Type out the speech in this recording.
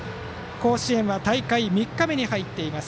甲子園は大会３日目に入っています。